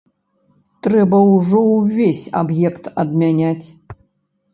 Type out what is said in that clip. Трэба ўжо ўвесь аб'ект адмяняць.